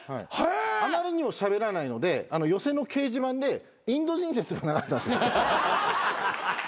あまりにもしゃべらないので寄席の掲示板でインド人説が流れたんです。